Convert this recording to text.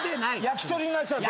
焼き鳥になっちゃって。